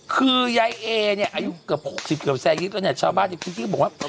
คือยายเอเนี่ยอายุกับหกสิบเกือบแสงนิดแล้วเนี่ยชาวบ้านอยู่ที่นี่ก็บอกว่า